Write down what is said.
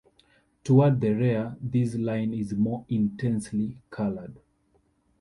Toward the rear, this line is more intensely colored.